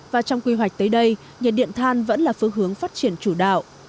và trong quy hoạch tới đây nhiệt điện than vẫn là phương hướng phát triển chủ đạo